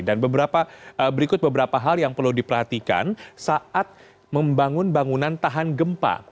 dan berikut beberapa hal yang perlu diperhatikan saat membangun bangunan tahan gempa